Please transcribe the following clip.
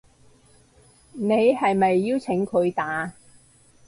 你係咪邀請佢打